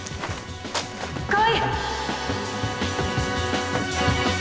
川合！